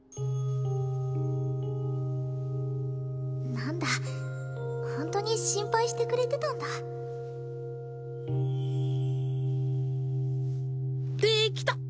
何だホントに心配してくれてたんだできた！